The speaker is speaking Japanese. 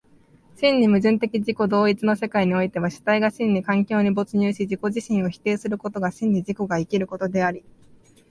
真に矛盾的自己同一の世界においては、主体が真に環境に没入し自己自身を否定することが真に自己が生きることであり、